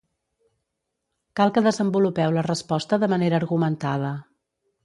Cal que desenvolupeu la resposta de manera argumentada.